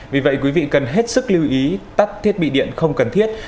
vì vậy quý vị cần hết sức lưu ý tắt thiết bị điện không cần thiết